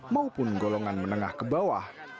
maupun golongan menengah ke bawah